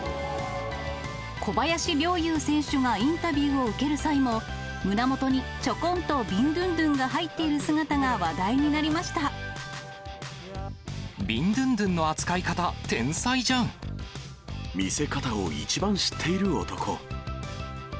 小林陵侑選手がインタビューを受ける際も、胸元にちょこんとビンドゥンドゥンが入っている姿が話題になりまビンドゥンドゥンの扱い方、見せ方を一番知っている男。